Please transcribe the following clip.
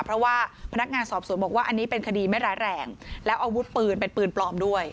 เพราะว่าพนักงานสอบสวนบอกว่าอันนี้เป็นคดีไม่ร้ายแรงแล้วอาวุธปืนเป็นปืนปลอมด้วย